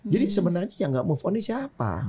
jadi sebenarnya yang gak move on ini siapa